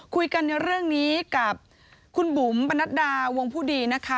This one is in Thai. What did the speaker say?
คุยกันในเรื่องนี้กับคุณบุ๋มปนัดดาวงผู้ดีนะคะ